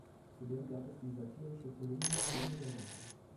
Zudem gab es die satirische Kolumne „Dinge der Woche“.